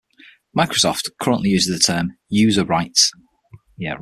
Microsoft currently uses the term "User Rights".